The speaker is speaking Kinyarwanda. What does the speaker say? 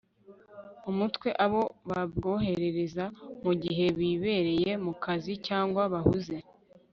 umutwe abo babwoherereza, mu gihe bibereye mu kazi cyangwa bahuze